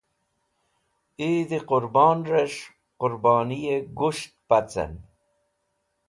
Eid e Qurbonres̃h Qurboniye Gus̃ht Pacen